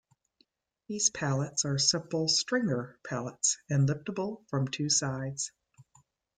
These pallets are simple stringer pallets, and liftable from two sides.